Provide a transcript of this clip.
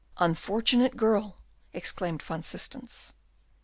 "Unfortunate girl!" exclaimed Van Systens.